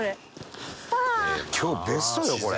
今日ベストよこれ。